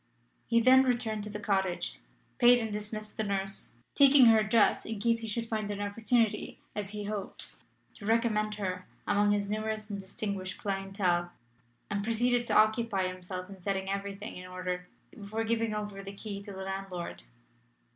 He then returned to the cottage, paid and dismissed the nurse, taking her address in case he should find an opportunity, as he hoped, to recommend her among his numerous and distinguished clientele, and proceeded to occupy himself in setting everything in order before giving over the key to the landlord.